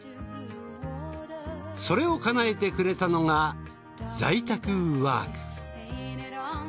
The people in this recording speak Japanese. それをかなえてくれたのが在宅ワーク。